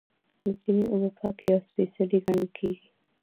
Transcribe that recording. د چینې اوبه پاکې او سپیڅلې ګڼل کیږي.